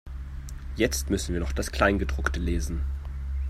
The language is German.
Jetzt müssen wir noch das Kleingedruckte lesen.